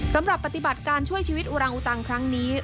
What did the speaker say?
สำหรับปฏิบัติการช่วยชีวิตอุรังอุตังครั้งนี้